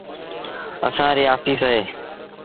اسآݩ ريٚ آڦيٚس اهي۔